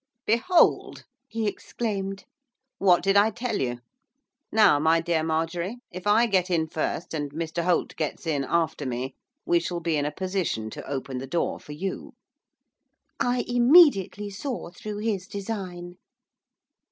'Behold!' he exclaimed. 'What did I tell you? Now, my dear Marjorie, if I get in first and Mr Holt gets in after me, we shall be in a position to open the door for you.' I immediately saw through his design.